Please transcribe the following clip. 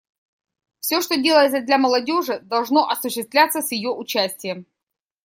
Все, что делается для молодежи, должно осуществляться с ее участием.